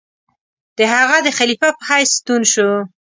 د هغه د خلیفه په حیث ستون شو.